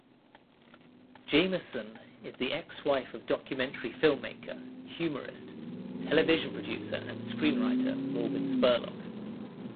Jamieson is the ex-wife of documentary filmmaker, humorist, television producer and screenwriter Morgan Spurlock.